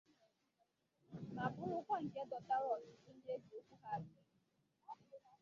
ma bụrụkwa nke dọtara ọtụtụ ndị e ji okwu ha agba ìzù